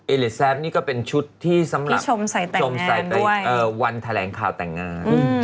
เลสแซฟนี่ก็เป็นชุดที่สำหรับชมใส่ไปวันแถลงข่าวแต่งงาน